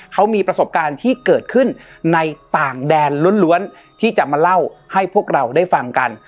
เกิดขึ้นในต่างแดนล้วนที่จะมาเล่าให้พวกเราได้ฟังกัน